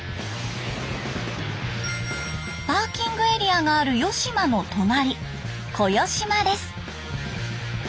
パーキングエリアがある与島の隣小与島です。